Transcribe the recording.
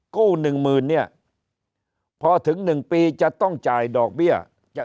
กู้๑๐๐๐เนี่ยพอถึง๑ปีจะต้องจ่ายดอกเบี้ย